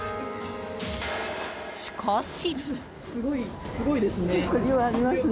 しかし。